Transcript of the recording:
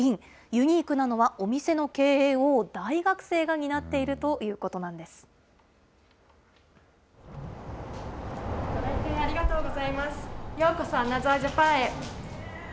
ユニークなのはお店の経営を大学生が担っているご来店ありがとうございます。